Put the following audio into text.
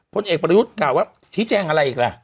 พลเอกประยุทธ์กล่าวว่าชี้แจงอะไรอีกล่ะ